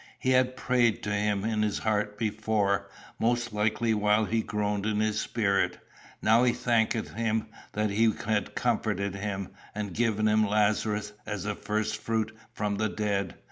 He had prayed to him in his heart before, most likely while he groaned in his spirit. Now he thanked him that he had comforted him, and given him Lazarus as a first fruit from the dead.